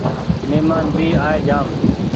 مهمان بي آئي جآم